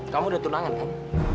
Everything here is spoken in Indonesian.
kamu udah tunangan kan